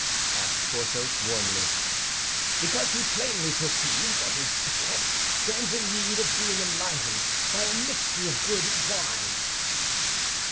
asked Porthos, warmly. "Because he plainly perceives that his piquette* stands in need of being enlivened by a mixture of good wine."